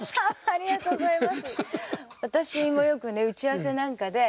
ありがとうございます。